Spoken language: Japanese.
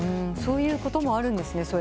そういうこともあるんですね。